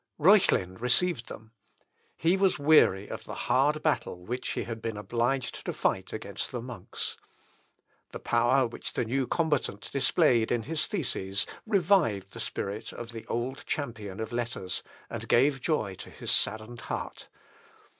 Reuchlin received them. He was weary of the hard battle which he had been obliged to fight against the monks. The power which the new combatant displayed in his theses revived the spirit of the old champion of letters, and gave joy to his saddened heart.